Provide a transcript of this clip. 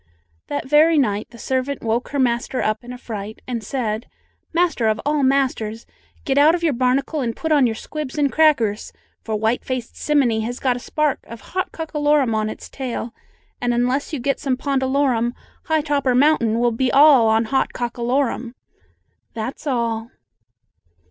'" That very night the servant woke her master up in a fright and said: "Master of all Masters, get out of your barnacle and put on your squibs and crackers. For white faced simminy has got a spark of hot cockalorum on its tail, and unless you get some pondalorum, high topper mountain will be all on hot cockalorum."... That's all.